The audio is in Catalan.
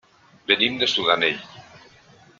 Venim de Sudanell.